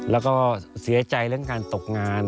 แล้วก็เสียใจเรื่องการตกงาน